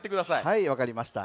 はいわかりました。